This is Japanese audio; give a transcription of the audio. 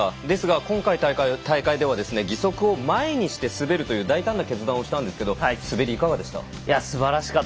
ですが今回の大会では義足を前にして滑るという大胆な決断をしたんですが滑りいかがでしたか？